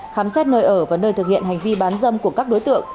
khám xét nơi ở và nơi thực hiện hành vi bán dâm của các đối tượng